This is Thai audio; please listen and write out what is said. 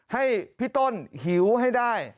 ให้พี่ต้นหิวให้ได้